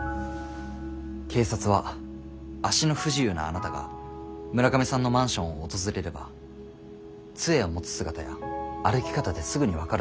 警察は足の不自由なあなたが村上さんのマンションを訪れれば「杖を持つ姿や歩き方ですぐに分かるだろう」と思い